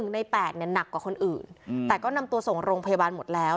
ใน๘เนี่ยหนักกว่าคนอื่นแต่ก็นำตัวส่งโรงพยาบาลหมดแล้ว